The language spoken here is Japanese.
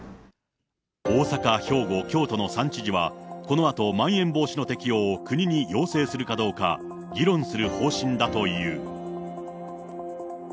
大阪、兵庫、京都の３知事は、このあとまん延防止の適用を国に要請するかどうか、議論する方針だという。